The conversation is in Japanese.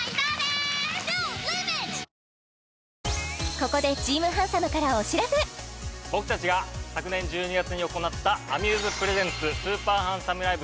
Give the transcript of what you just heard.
ここで僕たちが昨年１２月に行ったＡｍｕｓｅＰｒｅｓｅｎｔｓＳＵＰＥＲＨＡＮＤＳＯＭＥＬＩＶＥ